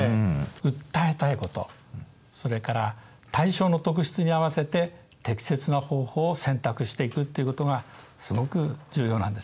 訴えたいことそれから対象の特質に合わせて適切な方法を選択していくっていうことがすごく重要なんですね。